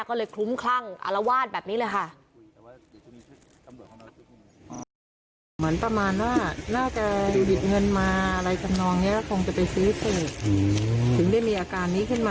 ก็เลยคลุ้มคลั่งอารวาสแบบนี้เลยค่ะ